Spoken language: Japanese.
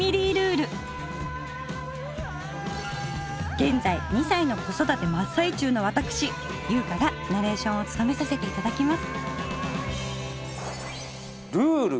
げんざい２歳の子育て真っ最中の私優香がナレーションをつとめさせていただきます！